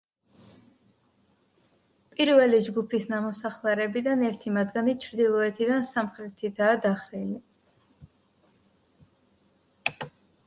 პირველი ჯგუფის ნამოსახლარებიდან ერთი მათგანი ჩრდილოეთიდან სამხრეთითაა დახრილი.